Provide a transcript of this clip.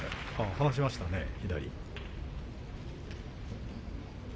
離しましたね左。